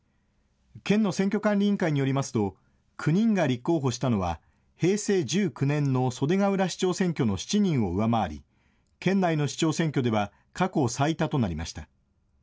県の選挙管理委員会によりますと９人が立候補したのは平成１９年の袖ケ浦市長選挙の７人を上回り、県内の市長選挙では過去最多となりました。